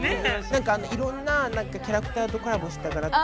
何かあのいろんなキャラクターとコラボした柄。